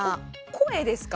声ですか？